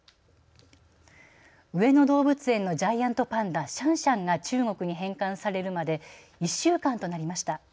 上野動物園のジャイアントパンダシャンシャンが中国に返還されるまで１週間となりました。